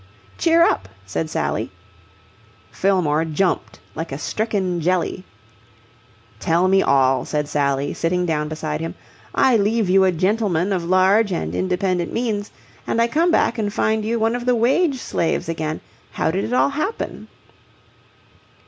"Cheer up!" said Sally. Fillmore jumped like a stricken jelly. "Tell me all," said Sally, sitting down beside him. "I leave you a gentleman of large and independent means, and I come back and find you one of the wage slaves again. How did it all happen?"